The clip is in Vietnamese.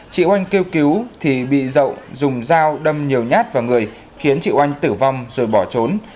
chị oanh kêu cứu thì bị dậu dùng dao đâm nhiều nhát vào người khiến chị oanh tử vong rồi bỏ trốn